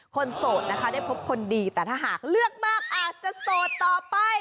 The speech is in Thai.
โสดนะคะได้พบคนดีแต่ถ้าหากเลือกมากอาจจะโสดต่อไป